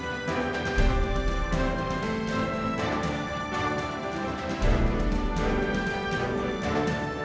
iwo pikir itu ter jadi seolah olah hidup saya bisa emang